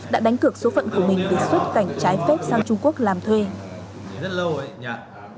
đã đánh cược số phận của mình để xuất cảnh trái phép sang trung quốc làm thuê